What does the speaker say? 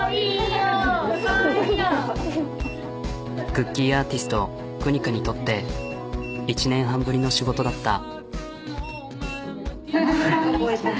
クッキーアーティストＫＵＮＩＫＡにとって１年半ぶりの仕事だった。